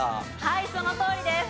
はいそのとおりです。